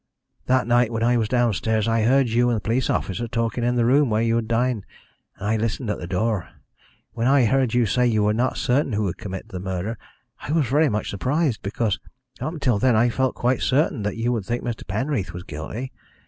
"That night when I was downstairs, I heard you and the police officer talking in the room where you had dined, and I listened at the door. When I heard you say that you were not certain who committed the murder, I was very much surprised, because up till then I felt quite certain that you would think Mr. Penreath was guilty.